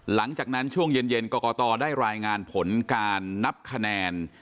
หลังจากนั้นช่วงเย็นกรกตได้รายงานผลการนับคะแนน